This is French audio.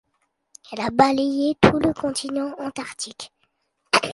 Elle a balayé tout le continent Antarctique.